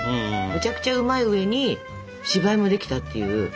むちゃくちゃうまい上に芝居もできたっていう。